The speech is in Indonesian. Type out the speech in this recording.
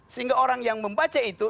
sehingga orang yang membaca itu